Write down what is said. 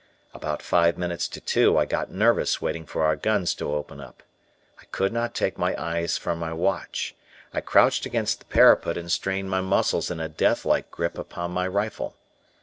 About five minutes to two I got nervous waiting for our guns to open up. I could not take my eyes from my watch. I crouched against the parapet and strained my muscles in a death like grip upon my rifle.